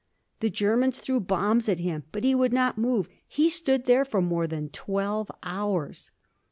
The Germans threw bombs at him, but he would not move. He stood there for more than twelve hours!"